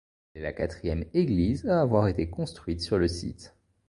Elle est la quatrième église à avoir été construite sur le site.